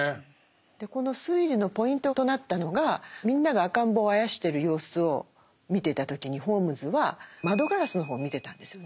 でこの推理のポイントとなったのがみんなが赤ん坊をあやしてる様子を見ていた時にホームズは窓ガラスの方を見てたんですよね。